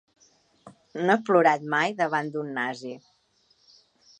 'No he plorat mai davant d’un nazi'